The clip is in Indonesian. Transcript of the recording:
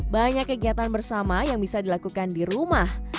banyak kegiatan bersama yang bisa dilakukan di rumah